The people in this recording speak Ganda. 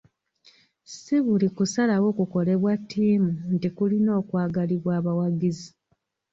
Si buli kusalawo kukolebwa ttiimu nti kulina okwagalibwa abawagizi.